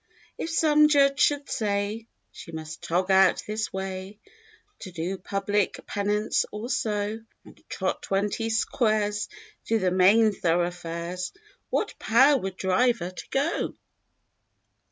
If some judge should say She must tog out this way. To do public pennance or so And trot twenty squares Through the main thoroughfares. What power would drive her to go?